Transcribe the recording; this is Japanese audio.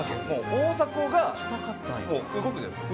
大迫が動くじゃないですか。